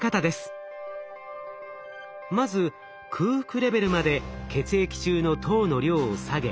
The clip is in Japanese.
まず空腹レベルまで血液中の糖の量を下げ